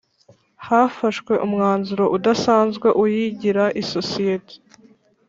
hafashwe umwanzuro udasanzwe uyigira isosiyete